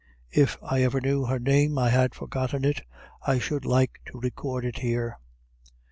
If I ever knew her name, I have forgotten it: I should like to record it here.